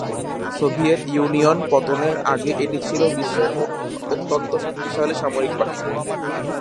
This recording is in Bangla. সোভিয়েত ইউনিয়ন পতনের আগে এটি ছিল বিশ্বের অত্যন্ত শক্তিশালী সামরিক বাহিনী।